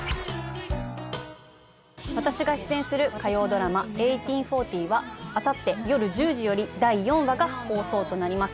私が出演する火曜ドラマ「１８／４０」はあさって夜１０時より第４話が放送となります